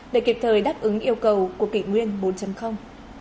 để kịp thời đáp ứng yêu cầu của kỷ nguyên bốn